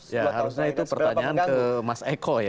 ya harusnya itu pertanyaan ke mas eko ya